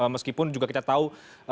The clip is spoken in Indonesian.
meskipun juga kita tahu